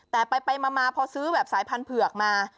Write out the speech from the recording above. แต่ไปมาพอซื้อแบบสายพันธุเผือกมา